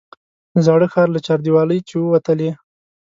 د زاړه ښار له چاردیوالۍ چې ووتلې.